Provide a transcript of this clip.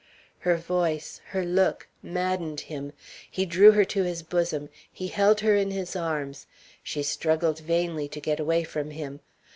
Her voice, her look, maddened him. He drew her to his bosom; he held her in his arms; she struggled vainly to get away from him.